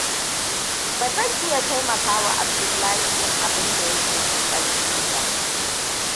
Ba zan iya taimakawa Abdullahi yin abin da yake ƙoƙarin yi ba.